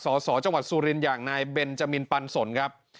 สสจังหวัดสุรินทร์อย่างนายเบนจมินปันสนครับ